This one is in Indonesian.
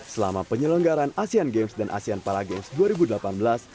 selama penyelenggaran asean games dan asean para games dua ribu delapan belas